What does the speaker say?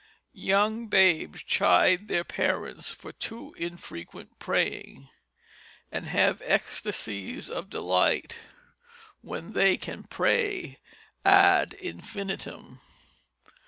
Young babes chide their parents for too infrequent praying, and have ecstasies of delight when they can pray ad infinitum.